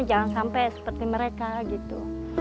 jangan sampai seperti mereka gitu